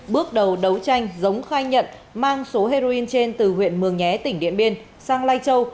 bước đầu đấu tranh giống khai nhận mang số heroin trên từ huyện mường nhé tỉnh điện biên sang lai châu